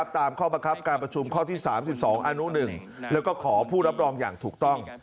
ตามข้อบังคับการประชุมข้อที่๓๒อนุ๑แล้วก็ขอผู้รับรองอย่างถูกต้อง